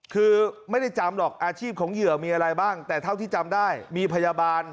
คือไม่ได้จำหรอกอาชีพของเหยื่อมีอะไรบ้างแต่เท่าที่จำได้มีพยาบาล